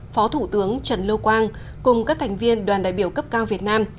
phó thủ tướng trần lưu quang cùng các thành viên đoàn đại biểu cấp cao việt nam